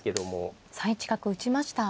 ３一角打ちました。